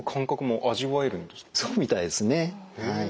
そうみたいですねはい。